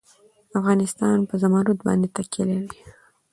افغانستان په زمرد باندې تکیه لري.